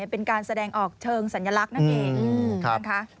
เป็นการแสดงออกเชิงสัญลักษณ์นั่นเองนะคะ